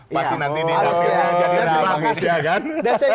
pasti nanti dihasilkan